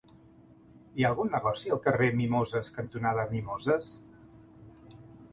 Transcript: Hi ha algun negoci al carrer Mimoses cantonada Mimoses?